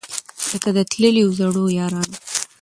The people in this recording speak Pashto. لکه د تللیو زړو یارانو